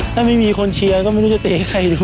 ถ้าไม่มีคนเชียร์ก็ไม่รู้จะเตะให้ใครดู